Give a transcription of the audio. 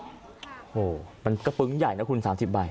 โอ้โหมันก็ปึ๊งใหญ่นะคุณ๓๐ใบ